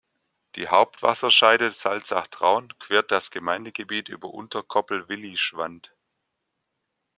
Die Hauptwasserscheide Salzach–Traun quert das Gemeindegebiet über Unterkoppl–Willischwandt.